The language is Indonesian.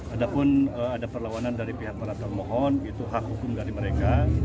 ada pun ada perlawanan dari pihak mana termohon itu hak hukum dari mereka